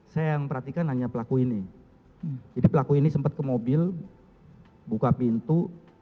saya yang perhatikan hanya pelaku ini jadi pelaku ini sempat ke mobil buka pintu